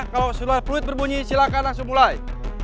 kalau selalu berbunyi silakan langsung mulai